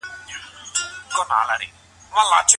علامه رشاد یو ریښتینی افغان متفکر او لیکوال وو.